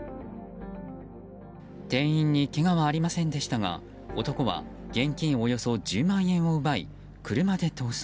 店員にけがはありませんでしたが男は現金およそ１０万円を奪い車で逃走。